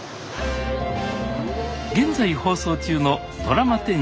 現在放送中のドラマ１０